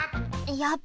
やっぱり！